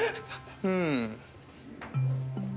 うん。